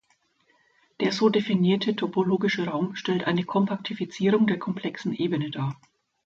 Der so definierte topologische Raum stellt eine Kompaktifizierung der komplexen Ebene dar.